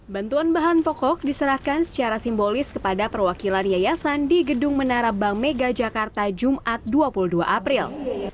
bantuan bahan pokok diserahkan secara simbolis kepada perwakilan yayasan di gedung menara bank mega jakarta jumat dua puluh dua april